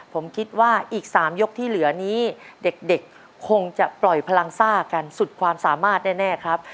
ผมคิดว่าอีก๓ยกที่เหลือนี้เด็กคงจะปล่อยพลังซ่ากันสุดความสามารถแน่ครับ